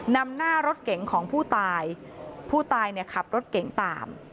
นำหน้ารถเก๋งของผู้ตายผู้ตายเนี่ยขับรถเก่งตาม